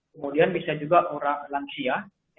kemudian bisa juga orang lansia